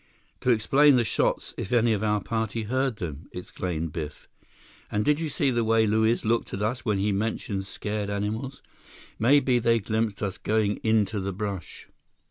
"To explain the shots if any of our party heard them!" exclaimed Biff. "And did you see the way Luiz looked at us when he mentioned scared animals? Maybe they glimpsed us going into the brush."